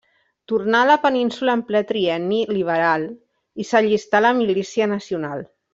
Tornà a la península en ple trienni liberal i s'allistà a la Milícia Nacional.